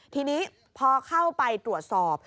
ทีนี้พอเข้าไปตรวจสอบ